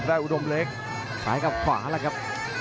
กดไอ้อุดมเล็กหายอยู่แล้วกับ